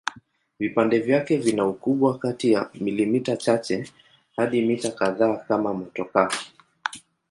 Vipande vyake vina ukubwa kati ya milimita chache hadi mita kadhaa kama motokaa.